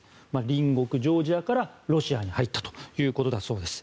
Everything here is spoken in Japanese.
隣国、ジョージアからロシアに入ったということだそうです。